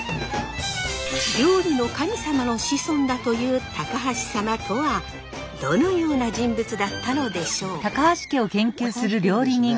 料理の神様の子孫だという高橋様とはどのような人物だったのでしょうか？